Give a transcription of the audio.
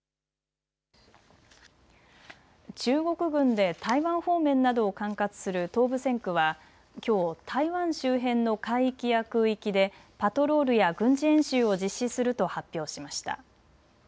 中国軍で台湾方面などを管轄する東部戦区はきょう台湾周辺の海域や空域でパトロールや軍事演習を実施すると発表しました。